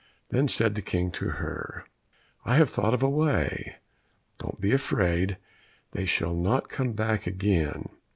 Then said the King to her, "I have thought of a way; don't be afraid, they shall not come back again."